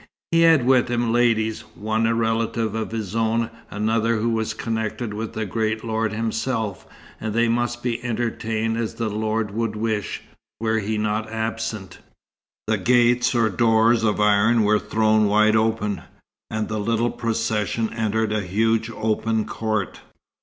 He had with him ladies, one a relative of his own, another who was connected with the great lord himself, and they must be entertained as the lord would wish, were he not absent. The gates, or doors, of iron were thrown wide open, and the little procession entered a huge open court.